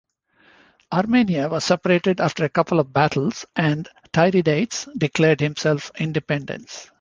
Armenia was separated after a couple of battles and Tiridates declared himself independent.